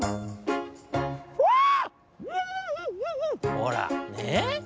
「ほらねえ？